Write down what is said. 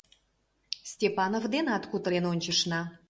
Степанов денат кутырен ончышна.